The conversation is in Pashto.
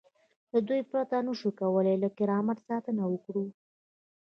له دوی پرته نشو کولای له کرامت ساتنه وکړو.